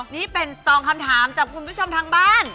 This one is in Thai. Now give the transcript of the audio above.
นี่เป็น๒คำถามจากคุณผู้ชมทางบ้าน